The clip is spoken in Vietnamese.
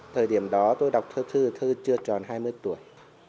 thời điểm đó tôi đọc thơ thư chưa tròn hai mươi tuổi